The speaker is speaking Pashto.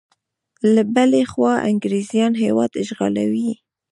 له بلې خوا انګریزیان هیواد اشغالوي.